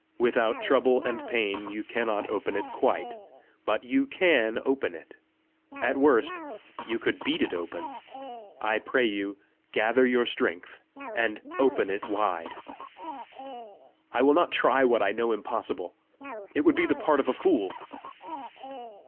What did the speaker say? Without trouble and pain you cannot open it quite, but you CAN open it. At worst you could beat it open! I pray you, gather your strength, and open it wide." "I will not try what I know impossible. It would be the part of a fool!"